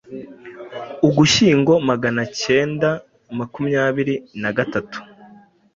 Ugushyingo Magana acyenda makumyabiri na gatatu